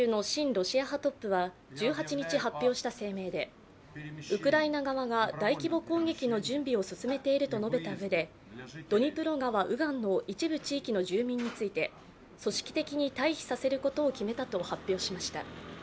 ロシア派トップは１８日発表した声明でウクライナ側が大規模攻撃の準備を進めていると述べたうえでドニプロ川右岸の一部地域の住民について組織的に退避させることを決めたと発表しました。